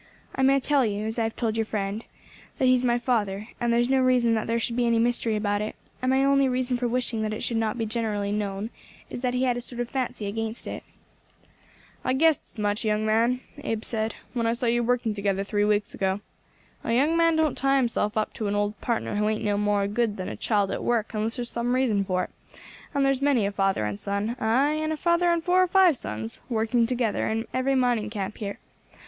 I may tell you, as I have told your friend, that he is my father; there is no reason that there should be any mystery about it, and my only reason for wishing that it should not be generally known is that he had a sort of fancy against it." "I guessed as much, young man," Abe said, "when I saw you working together three weeks ago. A young man don't tie himself to an old partner who ain't no more good than a child at work unless there's some reason for it, and there's many a father and son, aye, and a father and four or five sons, working together in every mining camp here.